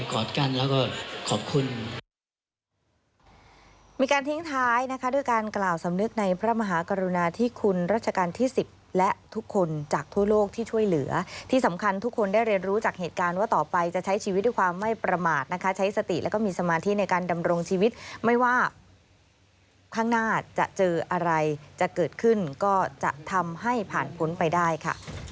มีการทิ้งท้ายนะคะด้วยการกล่าวสำนึกในพระมหากรุณาที่คุณรัชกาลที่๑๐และทุกคนจากทั่วโลกที่ช่วยเหลือที่สำคัญทุกคนได้เรียนรู้จากเหตุการณ์ว่าต่อไปจะใช้ชีวิตด้วยความไม่ประมาทนะคะใช้สติแล้วก็มีสมาธิในการดำรงชีวิตไม่ว่าข้างหน้าจะเจออะไรจะเกิดขึ้นก็จะทำให้ผ่านพ้นไปได้ค่ะ